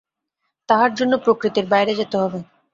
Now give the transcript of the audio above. তার জন্য প্রকৃতির বাইরে যেতে হবে।